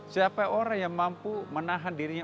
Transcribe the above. siapa orang yang mampu menahan dirinya